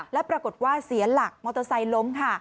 แล้วปรากฏว่าเสียหลักมอเตอร์ไซค์ล้มค่ะ